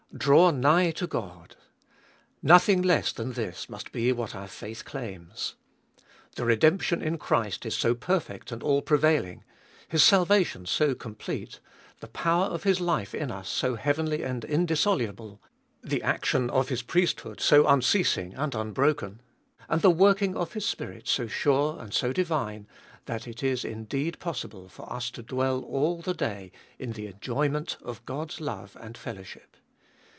Draw nigh to God ! Nothing less than this must be what our faith claims. The redemption in Christ is so perfect and all prevailing, His salvation so complete, the power of His life in us 246 Cbe fooliest of 21U so heavenly and indissoluble, the action of His priesthood so unceasing and unbroken, and the working of His Spirit so sure and so divine, that it is indeed possible for us to dwell all the day in the enjoyment of God's love and fellowship.